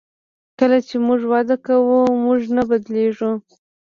کله چې موږ وده کوو موږ نه بدلیږو.